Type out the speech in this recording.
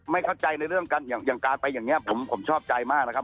ไม่เข้าใจในเรื่องการไปอย่างนี้ผมชอบใจมาก